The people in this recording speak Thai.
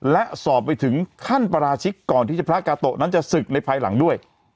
และสอบไปถึงขั้นปราชิกก่อนที่พระกาโตะนั้นจะศึกในภายหลังด้วย